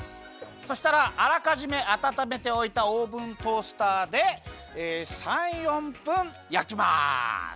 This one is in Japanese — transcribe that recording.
そしたらあらかじめあたためておいたオーブントースターで３４分やきます。